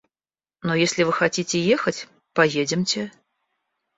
Но если вы хотите ехать, поедемте!